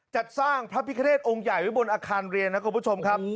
จัดสร้างพระพิคเนธองค์ใหญ่ไว้บนอาคารเรียนนะคุณผู้ชมครับ